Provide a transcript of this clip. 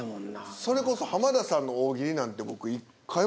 それこそ浜田さんの大喜利なんて僕１回も。